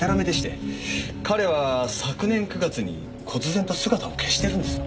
彼は昨年９月に忽然と姿を消してるんです。